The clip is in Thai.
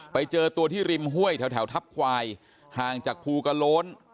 ไปเจอตัวที่ริมห้วยแถวทัพควายห่างจากภูกระโล้น